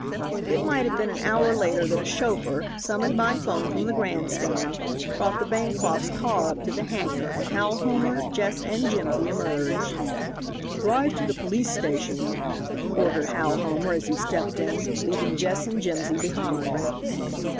It might have been an hour later that a chauffeur, summoned by 'phone from the grandstand, brought the Bancrofts' car up to the hangar and Hal Homer, Jess and Jimsy emerged. "Drive to the police station," ordered Hal Homer as he stepped in, leaving Jess and Jimsy behind.